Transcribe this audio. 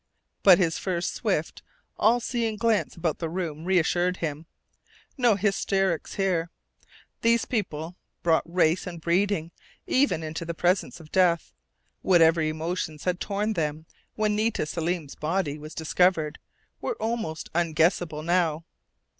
But his first swift, all seeing glance about the room reassured him. No hysterics here. These people brought race and breeding even into the presence of death. Whatever emotions had torn them when Nita Selim's body was discovered were almost unguessable now.